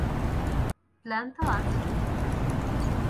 Plan তো আছে!